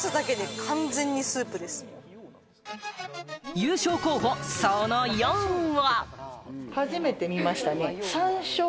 優勝候補その４は。